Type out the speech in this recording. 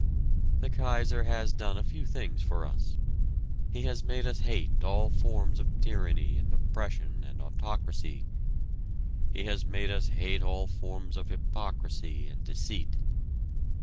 The Kaiser has done a few things for us. He has made us hate all forms of tyranny and oppression and autocracy; he has made us hate all forms of hypocrisy and deceit.